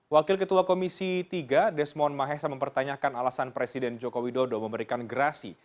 wakil ketua komisi tiga desmond mahesa mempertanyakan alasan presiden joko widodo memberikan gerasi